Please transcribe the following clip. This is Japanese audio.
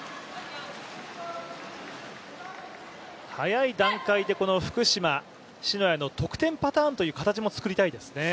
早い段階で福島・篠谷の得点パターンというのもつくりたいですね。